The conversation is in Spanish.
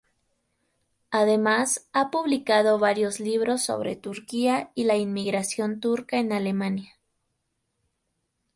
Además, ha publicado varios libros sobre Turquía y la inmigración turca en Alemania.